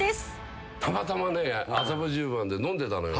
たまたまね麻布十番で飲んでたのよ。